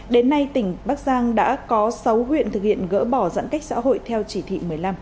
đến nay tỉnh bắc giang đã có sáu huyện thực hiện gỡ bỏ giãn cách xã hội theo chỉ thị một mươi năm